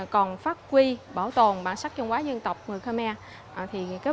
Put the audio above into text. còn phát huy bảo tồn bản sắc chân quả dân tộc người khmer